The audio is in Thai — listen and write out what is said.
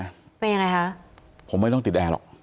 มันยังไงคะผมไม่ต้องติดแอลอก